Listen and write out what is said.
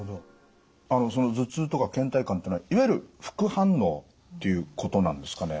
あのその頭痛とかけん怠感っていうのはいわゆる副反応っていうことなんですかね？